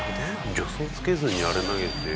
助走つけずにあれ投げて。